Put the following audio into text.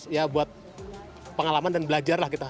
ya buat pengalaman dan belajar lah kita